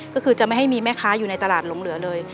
ก็คือจะไม่ให้มีแม่ค้าอยู่ในตลาดหลงเหลือเลย